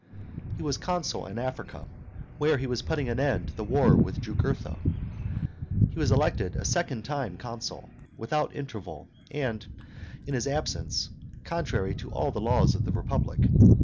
He was consul in Africa, where he was putting an end to the war with Jugurtha. He was elected a second time consul, without interval and in his absence, contrary to all the laws of the Republic.